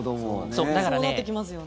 そうなってきますよね。